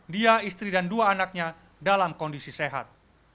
dia istri dan dua anaknya dalam kondisi sehat